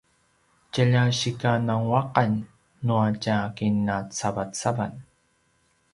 tjalja sika nanguaqan nua tja kinacavacavan